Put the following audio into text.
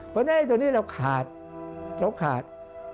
เพราะฉะนั้นให้ตัวนี้เราขาด